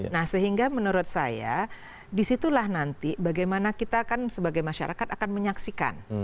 nah sehingga menurut saya disitulah nanti bagaimana kita kan sebagai masyarakat akan menyaksikan